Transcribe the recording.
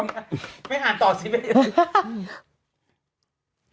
ไม่อ่านต่อสิเบ้ย